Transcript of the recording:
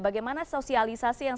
bagaimana sosialisasi yang